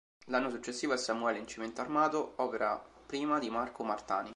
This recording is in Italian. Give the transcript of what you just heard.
L'anno successivo è "Samuele" in "Cemento armato", opera prima di Marco Martani.